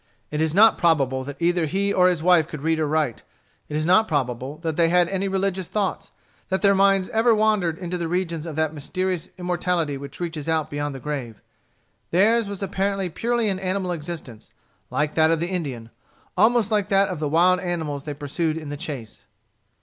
It is not probable that either he or his wife could read or write. It is not probable that they had any religious thoughts; that their minds ever wandered into the regions of that mysterious immortality which reaches out beyond the grave. Theirs was apparently purely an animal existence, like that of the Indian, almost like that of the wild animals they pursued in the chase.